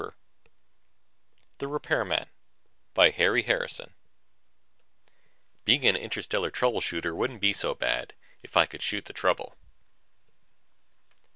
net The Repairman By HARRY HARRISON Illustrated by KRAMER Being an interstellar trouble shooter wouldn't be so bad ... if I could shoot the trouble!